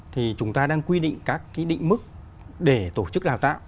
thì chúng ta đang quy định các cái định mức để tổ chức đào tạo